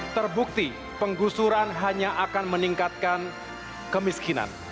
terbukti penggusuran hanya akan meningkatkan kemiskinan